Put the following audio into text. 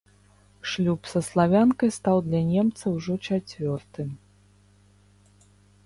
Шлюб са славянкай стаў для немца ўжо чацвёртым.